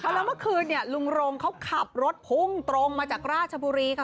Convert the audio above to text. แล้วเมื่อคืนเนี่ยลุงโรงเขาขับรถพุ่งตรงมาจากราชบุรีค่ะ